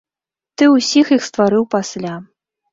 Ты ўсіх іх стварыў пасля.